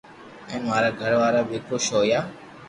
ھين مارا گھر وارا بي خوݾ ھويا